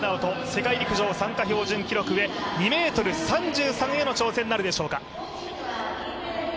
世界陸上参加標準記録へ２ｍ３３への挑戦、なるでしょうか。